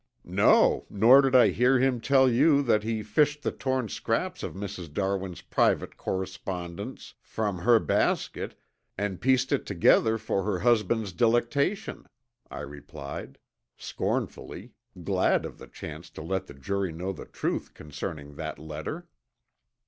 No, nor did I hear him tell you that he fished the torn scraps of Mrs. Darwin's private correspondence from her basket and pieced it together for her husband's delectation," I replied, scornfully, glad of the chance to let the jury know the truth concerning that letter.